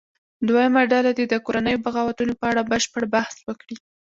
دویمه ډله دې د کورنیو بغاوتونو په اړه بشپړ بحث وکړي.